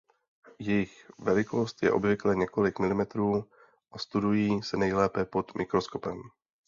Jejich velikost je obvykle několik milimetrů a studují se nejlépe pod mikroskopem.